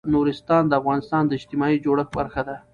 نورستان د افغانستان د اجتماعي جوړښت برخه ده.